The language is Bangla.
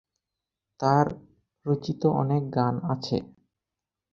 তার রচিত অনেক গান আছে।